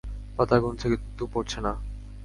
পাতা গুনছে, কিছু পড়ছে না।